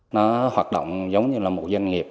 nó hoạt động giống như là một doanh nghiệp